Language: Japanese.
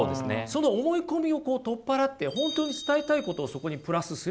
その思い込みをこう取っ払って本当に伝えたいことをそこにプラスすればですね